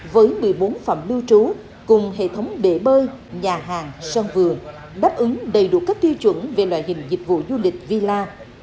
với một mươi bốn phòng lưu trú cùng hệ thống bể bơi nhà hàng sân vườn đáp ứng đầy đủ các tiêu chuẩn về loại hình dịch vụ du lịch villa